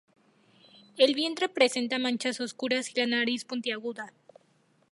El vientre presenta manchas oscuras, y la nariz puntiaguda.